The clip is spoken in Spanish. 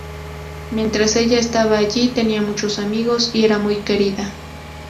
Mientras ella estaba allí, tenía muchos amigos, y era muy querida.